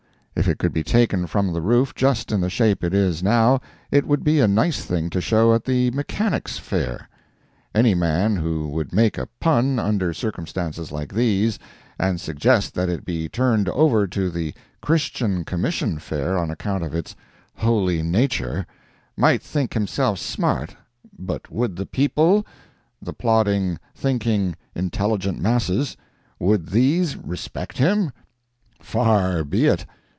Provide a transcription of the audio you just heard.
If it could be taken from the roof just in the shape it is now, it would be a nice thing to show at the Mechanics' Fair; any man who would make a pun under circumstances like these, and suggest that it be turned over to the Christian Commission Fair on account of its holy nature, might think himself smart, but would the people—the plodding, thinking, intelligent masses—would these respect him? Far be it.